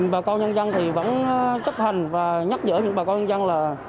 bà con dân dân thì vẫn chấp hành và nhắc nhở những bà con dân là